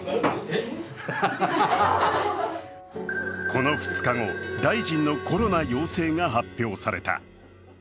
この２日後、大臣のコロナ陽性が発表された。